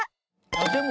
あっでも。